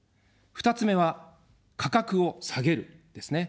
２つ目は、価格を下げる、ですね。